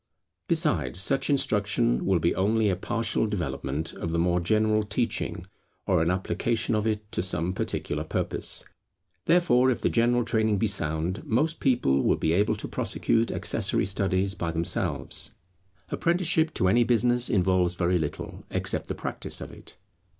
Besides such instruction will be only a partial development of the more general teaching, or an application of it to some particular purpose. Therefore if the general training be sound, most people will be able to prosecute accessory studies by themselves. Apprenticeship to any business involves very little, except the practice of it.